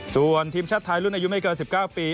ส่วนทีมชาติไทยรุ่นอายุไม่เกิน๑๙ปี